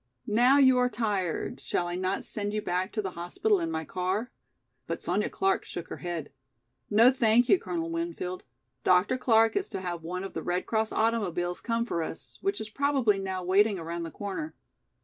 Now you are tired, shall I not send you back to the hospital in my car?" But Sonya Clark shook her head. "No, thank you, Colonel Winfield. Dr. Clark is to have one of the Red Cross automobiles come for us, which is probably now waiting around the corner.